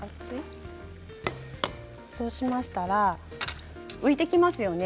そうしましたら浮いてきますよね。